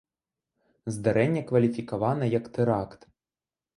Здарэнне кваліфікавана як тэракт.